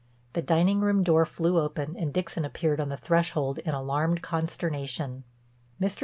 The dining room door flew open and Dixon appeared on the threshold in alarmed consternation. Mr.